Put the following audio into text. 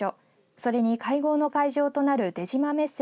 それに会合の会場となる出島メッセ